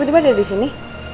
tiba tiba ada di sini